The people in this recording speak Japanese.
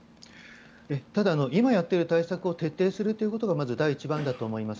ただ、今やっている対策を徹底するということがまず第一番だと思います。